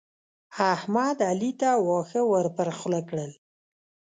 احمد؛ علي ته واښه ور پر خوله کړل.